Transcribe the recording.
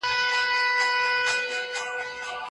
آیا ساینس په ادبي څېړنه کې رول لري؟